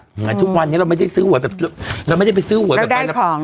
เหมือนทุกวันนี้เราไม่ได้ซื้อหวยแบบเราไม่ได้ไปซื้อหวยแบบใบรับรอง